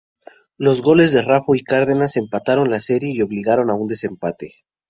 Los goles de Raffo y Cárdenas empataron la serie y obligaron a un desempate.